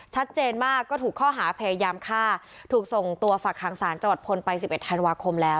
ชัดเจนมากก็ถูกข้อหาพยายามฆ่าถูกส่งตัวฝักหางศาลจังหวัดพลไป๑๑ธันวาคมแล้ว